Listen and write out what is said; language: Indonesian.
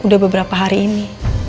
udah beberapa hari ini